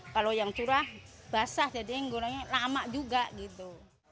kalau yang curah basah jadi yang gunanya lama juga gitu